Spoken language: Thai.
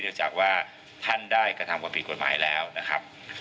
จากว่าท่านได้กระทำความผิดกฎหมายแล้วนะครับ